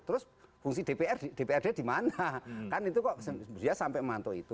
terus fungsi dprd di mana kan itu kok dia sampai memantau itu